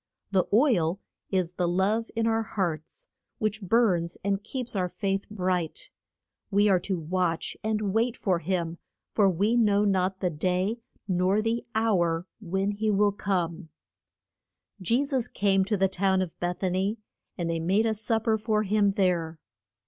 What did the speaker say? The oil is the love in our hearts, which burns and keeps our faith bright. We are to watch and wait for him, for we know not the day nor the hour when he will come. [Illustration: THE FOOL ISH VIR GINS.] Je sus came to the town of Beth a ny, and they made a sup per for him there.